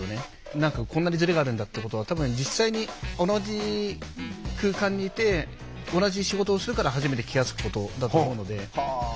何かこんなにズレがあるんだっていうことは多分実際に同じ空間にいて同じ仕事をするから初めて気が付くことだと思うので。